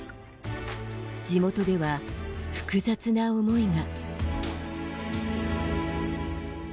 地元では複雑な思いが。